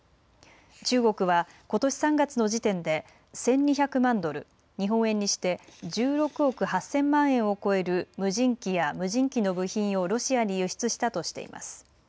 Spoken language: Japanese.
中国はことし３月の時点で１２００万ドル、日本円にして１６億８０００万円を超える無人機や無人機の部品をロシアに輸出したとしています。